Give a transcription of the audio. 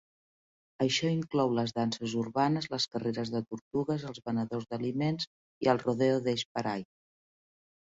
Això inclou les danses urbanes, les carreres de tortugues, els venedors d'aliments, i el "Rodeo Daze Parade".